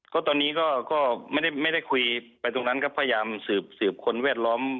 ก็ตอนนี้ก็ไม่ได้คุยไปตรงนั้นครับพยายามสืบคนแวดล้อม